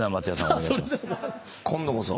お願いします。